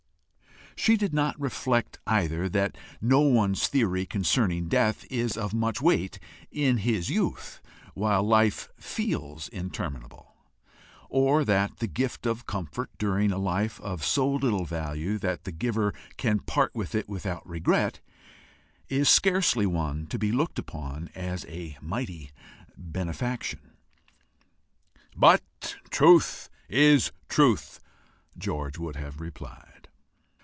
She did not reflect, either, that no one's theory concerning death is of much weight in his youth while life FEELS interminable, or that the gift of comfort during a life of so little value that the giver can part with it without regret, is scarcely one to be looked upon as a mighty benefaction. "But truth is truth," George would have replied.